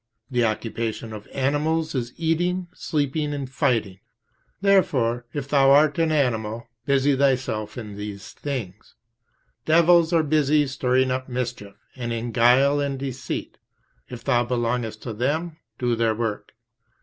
The occupation of animals is eating, sleeping, and fighting; therefore, if thou art an animal, busy thyself in these things. Devils are busy in stirring up mischief, and in guile and deceit; if thou belongest to them, do their work.